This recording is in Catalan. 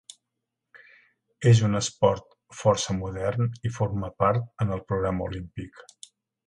És un esport força modern i forma part en el programa olímpic.